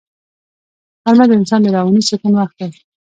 غرمه د انسان د رواني سکون وخت دی